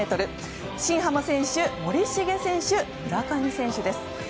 新濱選手森重選手、村上選手です。